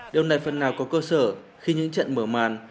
điều này phần nào có cơ sở khi những trận mở màn